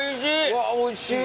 うわおいしい。